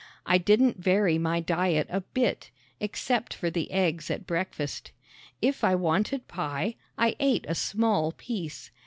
I didn't vary my diet a bit, except for the eggs at breakfast. If I wanted pie I ate a small piece.